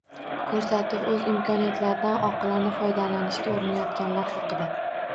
Ko'rsatuv - o‘z imkoniyatlaridan oqilona foydalanishga urinayotganlar haqida.